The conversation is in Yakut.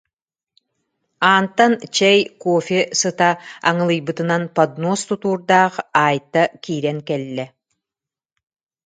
Аантан чэй, кофе сыта аҥылыйбытынан поднос тутуурдаах Айта киирэн кэллэ: